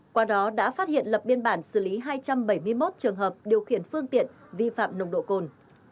qua đó đã phát hiện lập biên bản xử lý hai trăm bảy mươi một trường hợp điều khiển phương tiện vi phạm nồng độ cồn